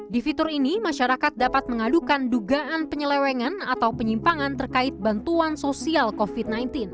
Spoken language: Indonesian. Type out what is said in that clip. di fitur ini masyarakat dapat mengadukan dugaan penyelewengan atau penyimpangan terkait bantuan sosial covid sembilan belas